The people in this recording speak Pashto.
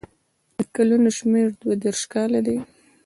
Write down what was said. د کلونو شمېر دوه دېرش کاله دی.